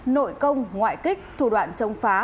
nội công ngoại kích thủ đoạn chống phá